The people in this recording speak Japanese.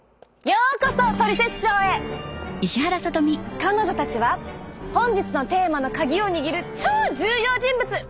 彼女たちは本日のテーマのカギを握る超重要人物！